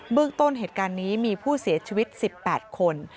เรื่องต้นเหตุการณ์นี้มีผู้เสียชีวิต๑๘คน